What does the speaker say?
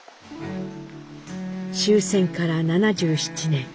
終戦から７７年。